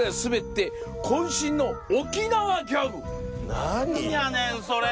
何やねんそれ！